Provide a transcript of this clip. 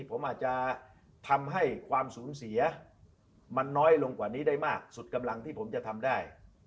ผมอาจจะทำให้ความสูญเสียมันน้อยลงกว่านี้ได้มากสุดกำลังที่ผมจะทำได้